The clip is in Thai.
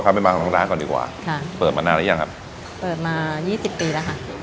ไม่มาของร้านก่อนดีกว่าค่ะเปิดมานานหรือยังครับเปิดมายี่สิบปีแล้วค่ะ